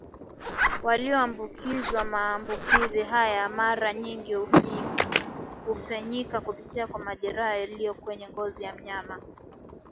walioambukizwa Maambukizi haya mara nyingi hufanyika kupitia kwa majeraha yaliyo kwenye ngozi ya mnyama